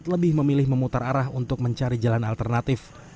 lebih memilih memutar arah untuk mencari jalan alternatif